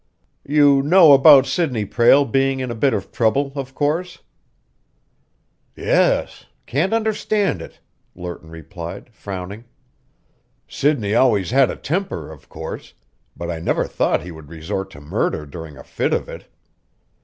"You know about Sidney Prale being in a bit of trouble, of course?" "Yes. Can't understand it," Lerton replied, frowning. "Sidney always had a temper, of course, but I never thought he would resort to murder during a fit of it.